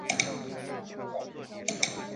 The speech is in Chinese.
该湖的主要沉积物为芒硝。